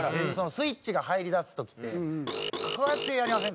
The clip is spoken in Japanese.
スイッチが入りだす時ってこうやってやりません？